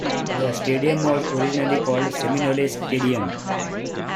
The stadium was originally called Seminole Stadium.